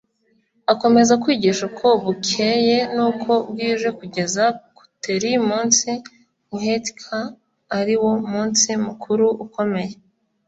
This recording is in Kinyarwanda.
Akomeza kwigisha uko bukcye n'uko bwije kugeza ktl munsi uhentka, ari wo mmsi mukuru ukomeye.